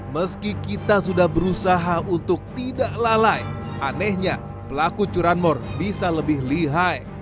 meski kita sudah berusaha untuk tidak lalai anehnya pelaku curanmor bisa lebih lihai